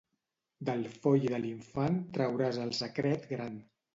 Del foll i de l'infant trauràs el secret gran.